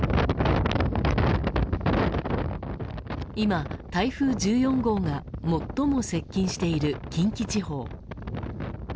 今、台風１４号が最も接近している近畿地方。